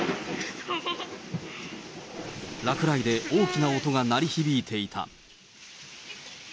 落雷で大きな音が鳴り響いていた。